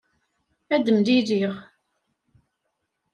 Ad mlelliɣ.